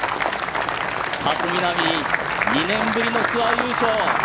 勝みなみ、２年ぶりのツアー優勝。